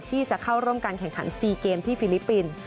ที่จะเข้าร่วมการแข่งขัน๔เกมที่ฟิลิปปินส์